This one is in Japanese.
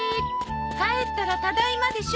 帰ったら「ただいま」でしょ。